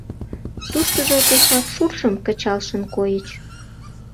Туштыжо пешак шуршым кычалшын койыч.